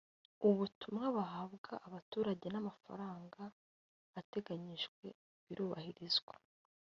ubutumwa bahabwa abaturage namafaranga ateganyijwe birubahirizwa